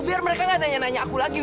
biar mereka gak nanya nanya aku lagi